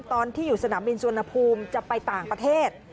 ตอนที่อยู่สนามบินสุวรรณภูมิจะไปต่างประเทศ